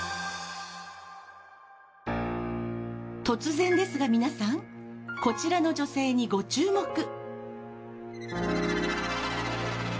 突然ですが皆さんこちらの女性にご注目。